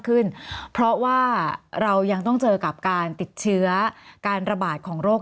ขึ้นเพราะว่าเรายังต้องเจอกับการติดเชื้อการระบาดของโรค